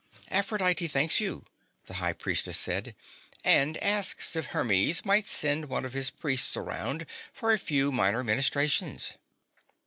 "Aphrodite thanks you," the High Priestess said, "and asks if Hermes might send one of his priests around for a few minor ministrations."